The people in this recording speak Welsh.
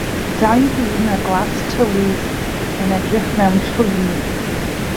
Dau ddyn â gwallt tywydd yn edrych mewn llwyni.